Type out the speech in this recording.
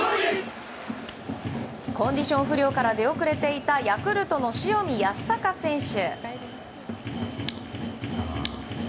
コンディション不良から出遅れていたヤクルトの塩見泰隆選手。